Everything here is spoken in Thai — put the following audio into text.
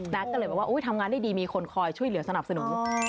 ก็เลยบอกว่าทำงานได้ดีมีคนคอยช่วยเหลือสนับสนุน